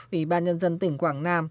ủy ban nhân dân tỉnh quảng nam